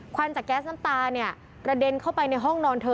วันจากแก๊สน้ำตาเนี่ยกระเด็นเข้าไปในห้องนอนเธอ